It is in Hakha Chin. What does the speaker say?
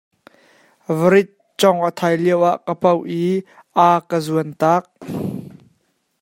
Varit cawng a thai lioah ka poah i a ka zuan taak.